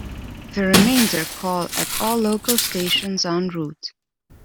The remainder call at all local stations en-route.